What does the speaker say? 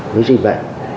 nói gì vậy